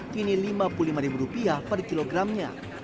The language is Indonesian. kini rp lima puluh lima per kilogramnya